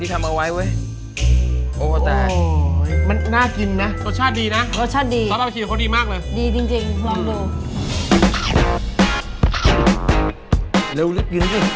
พี่โนไม่ได้พามาก